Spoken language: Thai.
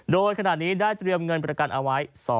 โดยขณะนี้ได้เตรียมเงินประกันเอาไว้